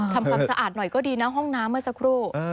ทำความสะอาดหน่อยก็ดีนะห้องน้ำเมื่อสักครู่